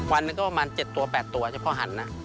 วันนั้นก็ประมาณ๗๘ตัวเฉพาะการไมมันเพิ่มการหันนะ